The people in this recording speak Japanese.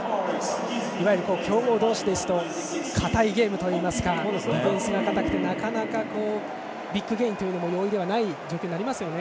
いわゆる強豪同士ですと堅いゲームといいますかディフェンスが堅くてビッグゲインというのも容易ではない状況になりますよね。